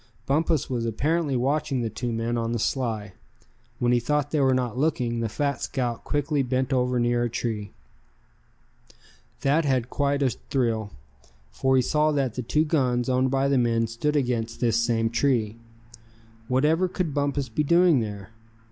Bumpus was apparently watching the two men on the sly. When he thought they were not looking, the fat scout quickly bent over near a tree. Thad had quite a thrill, for he saw that the two guns owned by the men stood against this same tree. Whatever could Bumpus be doing there?